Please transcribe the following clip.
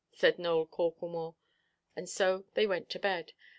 said Nowell Corklemore. And so they went to bed.